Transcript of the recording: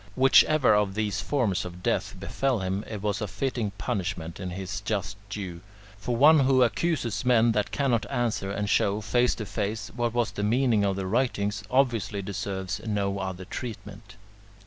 Whichever of these forms of death befell him, it was a fitting punishment and his just due; for one who accuses men that cannot answer and show, face to face, what was the meaning of their writings, obviously deserves no other treatment.